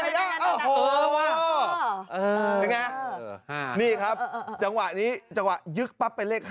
รอบนี้นะครับจังหวะนี้จะยึกปั้นไป๔เลย